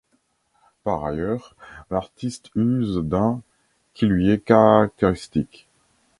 Par ailleurs, l'artiste use d'un qui lui est caractéristique.